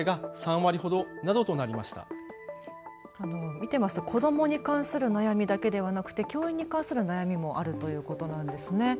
見ていますと子どもに関する悩みだけではなくて教員に関する悩みもあるということなんですね。